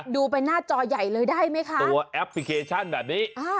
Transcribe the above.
ดูไปหน้าจอใหญ่เลยได้ไหมคะตัวแอปพลิเคชันแบบนี้